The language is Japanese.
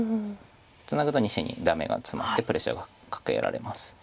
ツナぐと２子にダメがツマってプレッシャーがかけられます。